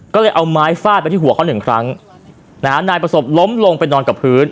ก็เลยเอาไม้ฟาดไปที่หัวเขาหนึ่งครั้งนะฮะนายประสบล้มลงไปนอนกับพื้น